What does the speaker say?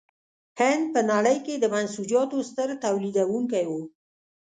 هند په نړۍ کې د منسوجاتو ستر تولیدوونکی و.